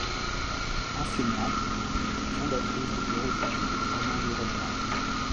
Enseignante, puis fondatrice d'un bureau d'études en environnement.